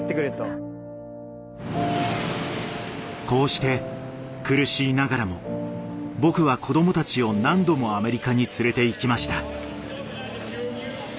こうして苦しいながらも僕は子どもたちを何度もアメリカに連れて行きました。